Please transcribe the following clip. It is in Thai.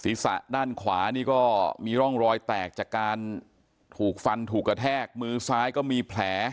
ศีรษะด้านขวานี่ก็มีร่องรอยแตกจากการถูกฟันถูกกระแทกมือซ้ายก็มีแผล